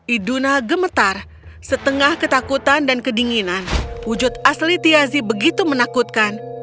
iduna gemetar setengah ketakutan dan kedinginan wujud asli tiazi begitu menakutkan